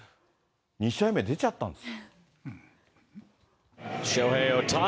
２試合目、出ちゃったんです。